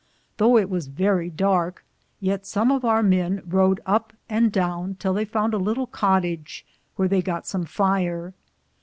Though it was verrie Darke, yeat some of our men rowed up and downe till theye founde a litle cottage, wheare they gott some fiere.